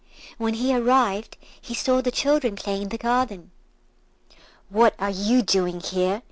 When he arrived he saw the children playing in the garden. "What are you doing here?"